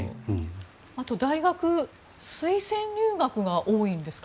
あと、大学推薦入学が多いんですか？